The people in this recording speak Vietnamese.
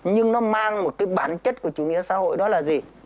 nhưng nó mang một cái bản chất của chủ nghĩa xã hội đó là gì